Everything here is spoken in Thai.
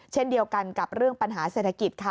เช่นเดียวกันกับเรื่องปัญหาเศรษฐกิจค่ะ